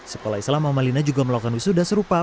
sekolah islam mamalina juga melakukan wisuda serupa